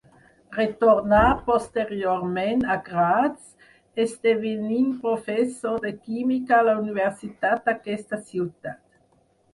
Retornà posteriorment a Graz, esdevenint professor de química a la universitat d'aquesta ciutat.